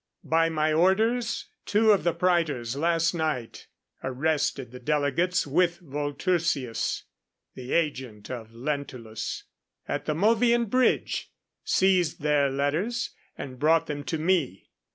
By my orders, two of the praetors last night arrested the delegates with Volturcius, the agent of Lentulus, at the Mulvian Bridge, seized their letters and brought them to me.